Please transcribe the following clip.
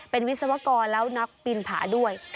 เป็นวิศวกรแล้วนักปีนผาด้วย